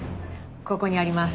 ここにあります。